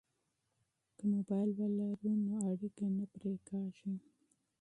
که موبایل ولرو نو اړیکه نه پرې کیږي.